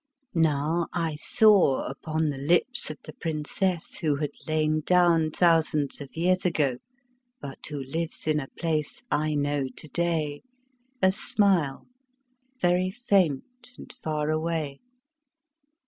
Now I saw upon the lips of the princess who had lain down thousands of years ago, but who lives in a place I know to day, a smile, very faint and far away.